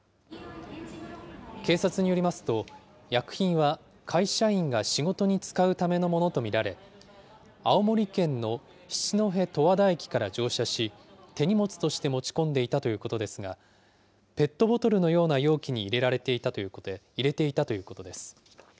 警察によりますと、薬品は会社員が仕事に使うためのものと見られ、青森県の七戸十和田駅から乗車し、手荷物として持ち込んでいたということですが、ペットボトルのような容器に入れていたということです。